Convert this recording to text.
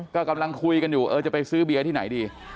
ก็กำลังคุยกันอยู่เออจะไปซื้อเบียร์ที่ไหนดี